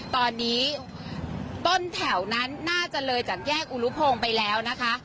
ตอนนี้ต้นแถวนั้นน่าจะเลยจากแยกอุรุพงศ์ไปแล้วนะคะ